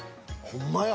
ほんまや！